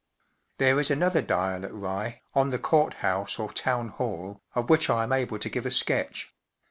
There is another dial at Rye, on the Court House or Town Hall, of which I am able to give a sketch.